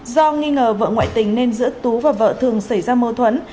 do nghi ngờ vợ ngoại tình nên giữa tú và vợ thường xảy ra mâu thuẫn